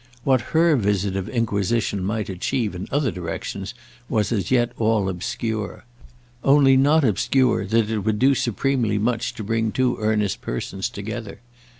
What her visit of inquisition might achieve in other directions was as yet all obscure—only not obscure that it would do supremely much to bring two earnest persons together.